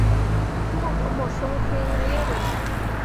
Wũũ go mo son fiine yere.